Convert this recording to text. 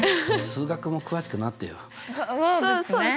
数学もでも詳しくなったよね。